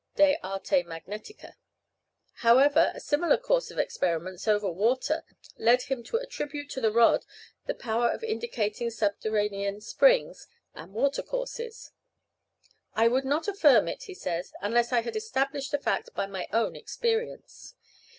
(De Arte Magnetica.) However, a similar course of experiments over water led him to attribute to the rod the power of indicating subterranean springs and water courses; "I would not affirm it," he says, "unless I had established the fact by my own experience."